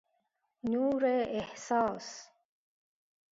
نوراحساس